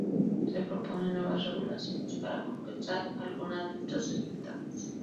Se proponen nuevas regulaciones para compensar algunas de estas desventajas.